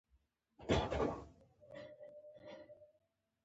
پوهېږم چې د فلاني کال په سر کې.